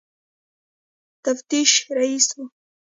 تفتیش رییس وو.